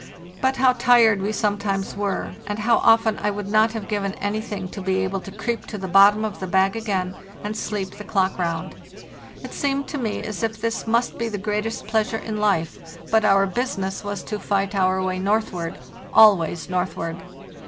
But how tired we sometimes were, and how often would I not have given anything to be able to creep to the bottom of the bag again and sleep the clock round. It seemed to me as if this must be the greatest pleasure in life, but our business * Used by the Lapps to their dog.— 7rans. 148 FARTHEST NORTH was to fight our way northward —always northward.